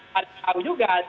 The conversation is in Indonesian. harus tahu juga